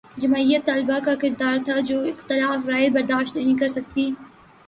جمعیت طلبہ کا کردار تھا جو اختلاف رائے برداشت نہیں کر سکتی